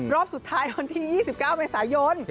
รอบสุดท้ายวันที่๒๙เมษายน